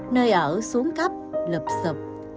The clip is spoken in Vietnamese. nơi ở xuống cấp lụp xụp